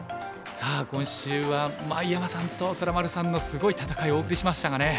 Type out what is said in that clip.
さあ今週は井山さんと虎丸さんのすごい戦いをお送りしましたがね。